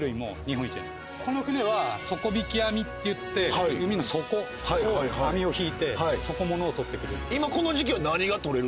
この船は底引き網っていって海の底を網を引いて底物をとってくる。